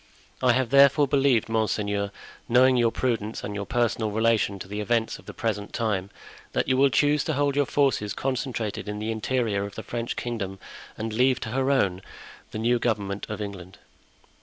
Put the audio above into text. I have therefore believed, monseigneur, knowing your prudence and your personal relation to the events of the present time, that you will choose to hold your forces concentrated in the interior of the French kingdom and leave to her own the new government of England.